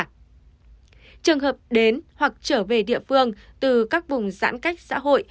trường hợp đến hoặc trở về địa phương từ các vùng giãn cách xã hội